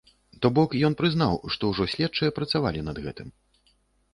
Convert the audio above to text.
То бок, ён прызнаў, што ўжо следчыя працавалі над гэтым.